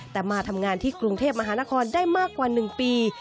แต่มาทำงานที่กรุงเทพมหานครได้มากกว่า๑ปี